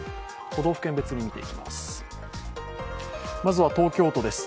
都道府県別に見ていきます。